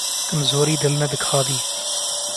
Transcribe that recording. کمزوری دل نے دکھا دی۔